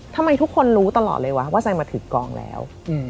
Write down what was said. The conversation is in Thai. ทำไมทุกคนรู้ตลอดเลยวะว่าไซดมาถึงกองแล้ว